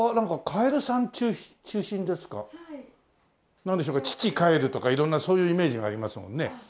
なんでしょうか「父かえる」とか色んなそういうイメージがありますもんね。